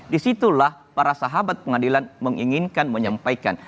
disitulah para sahabat pengadilan menginginkan menyampaikan